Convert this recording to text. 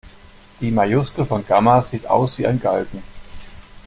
Die Majuskel von Gamma sieht aus wie ein Galgen.